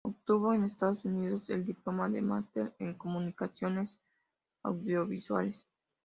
Obtuvo en Estados Unidos el diploma de Master en comunicaciones audiovisuales.